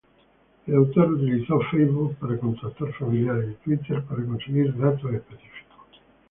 El autor utilizó Facebook para contactar familiares y Twitter para conseguir datos específicos.